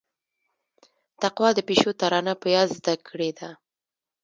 تقوا د پيشو ترانه په ياد زده کړيده.